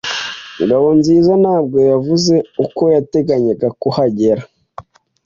Ngabonziza ntabwo yavuze uko yateganyaga kuhagera.